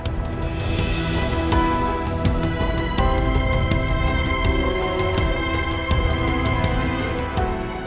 akan kamu menang